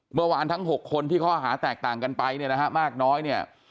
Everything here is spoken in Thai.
เมื่อวานทั้ง๖คนที่ข้ออาหารแตกต่างกันไปมากน้อย